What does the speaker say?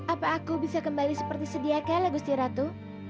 apa aku bisa kembali seperti sedia kala gusti ratu